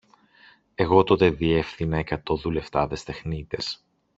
Εγώ τότε διεύθυνα εκατό δουλευτάδες τεχνίτες